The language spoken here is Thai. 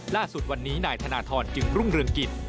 ล่าสุดวันนี้นายธนทรจึงรุ่งเรืองกิจ